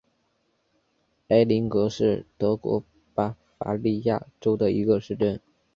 埃林格是德国巴伐利亚州的一个市镇。